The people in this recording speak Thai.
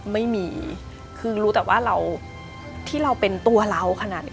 ไม่มีคือรู้แต่ว่าเราที่เราเป็นตัวเราขนาดนี้